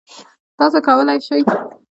تاسو کولی شئ